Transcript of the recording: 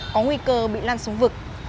có nguy cơ bị lan xuống vực